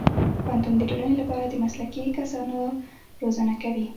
پوهنتون د ټولنې لپاره د مسلکي کسانو روزنه کوي.